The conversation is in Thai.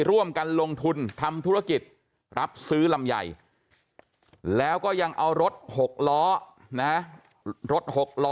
ร่วมกันลงทุนทำธุรกิจรับซื้อลำไยแล้วก็ยังเอารถ๖ล้อนะรถ๖ล้อ